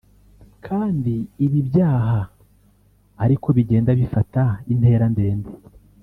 kandi ibi byaha ari ko bigenda bifata intera ndende